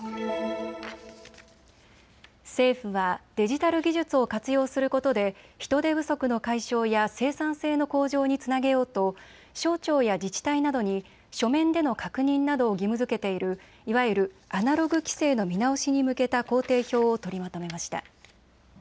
政府はデジタル技術を活用することで人手不足の解消や生産性の向上につなげようと省庁や自治体などに書面での確認などを義務づけているいわゆるアナログ規制の見直しに向けた工程表を取りまとめました。